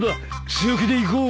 強気でいこう。